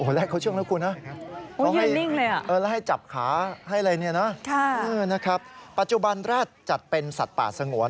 โอ้โฮแรดเขาเชื่องแล้วคุณนะต้องให้จับขาให้เลยเนี่ยนะนะครับปัจจุบันแรดจัดเป็นสัตว์ป่าสงวน